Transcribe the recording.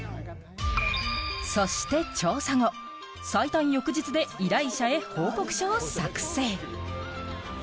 そして調査後、最短翌日で依頼者へ報告書を作成。